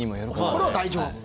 これは大丈夫と。